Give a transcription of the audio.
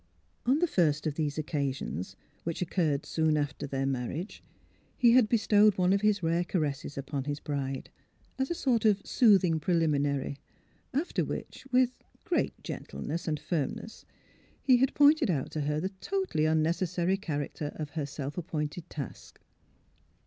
On the first of these occasions, which occurred soon after their marriage, he had bestowed one of his rare caresses upon his bride, as a sort of soothing preliminary; after which, with great gentleness and firmness, he had pointed out to her the totally unnecessary character of her self ap pointed task.